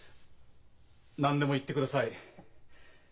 何でも言ってください。